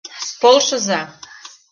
Полшыза!